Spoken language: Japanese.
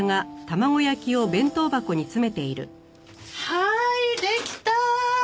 はいできた！